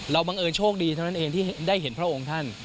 บังเอิญโชคดีเท่านั้นเองที่ได้เห็นพระองค์ท่าน